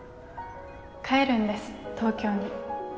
帰るんです東京に。